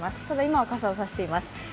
ただ、今は傘を差しています。